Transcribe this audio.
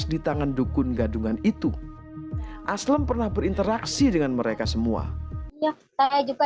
di tangan dukun gadungan itu aslam pernah berinteraksi dengan mereka semua ya saya juga